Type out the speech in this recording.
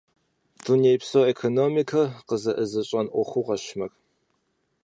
Дунейпсо экономикэр къызэӀызыщӀэн Ӏуэхугъуэщ мыр.